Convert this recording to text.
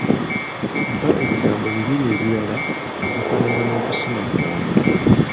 Mpa ebigambo bibiri ebirala ebifaanana n'okusima lumonde?